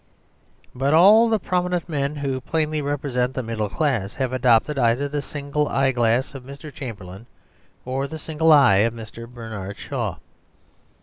But all the prominent men who plainly represent the middle class have adopted either the single eye glass of Mr. Chamberlain or the single eye of Mr. Bernard Shaw.